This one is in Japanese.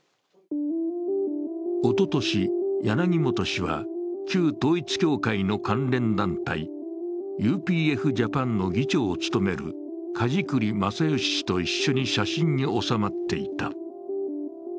おととし、柳本氏は旧統一教会の関連団体、ＵＰＦ＝Ｊａｐａｎの議長を務める梶栗正義氏と一緒に写真に収まっていた。